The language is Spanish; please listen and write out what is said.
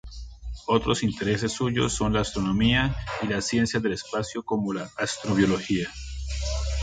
Otros intereses suyos son la astronomía y las ciencias del espacio como la Astrobiología.